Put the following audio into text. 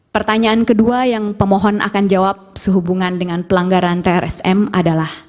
pertanyaan kedua yang pemohon akan jawab sehubungan dengan pelanggaran trsm adalah